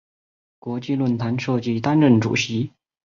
国际论坛设计担任主席。